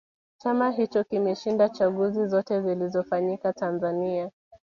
chama hicho kimeshinda chaguzi zote zilizofanyika tanzania